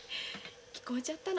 聞こえちゃったの。